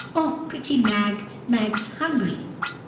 Oh, pretty Mag! Mag's hungry!"